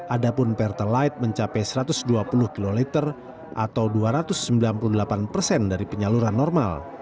adapun pertalite mencapai satu ratus dua puluh km atau dua ratus sembilan puluh delapan persen dari penyaluran normal